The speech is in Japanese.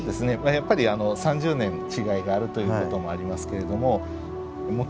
やっぱり３０年違いがあるということもありますけれども。